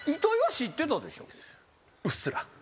うっすら。